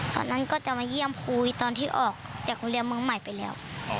ตอนนั้นก็จะมาเยี่ยมครูตอนที่ออกจากโรงเรียนเมืองใหม่ไปแล้ว